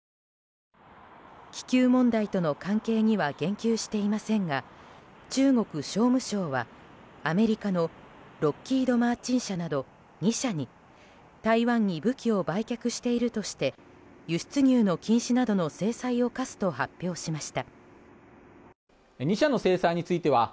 気球問題との関係には言及していませんが中国商務省は、アメリカのロッキード・マーチン社など２社に台湾に武器を売却しているとして輸出入の禁止などの制裁を科すと発表しました。